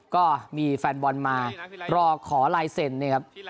ก็มีแฟนบอลมารอขอลายเซ็นต์นะครับ